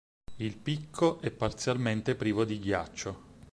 Il picco è parzialmente privo di ghiaccio.